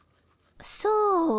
そう。